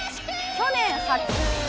去年初。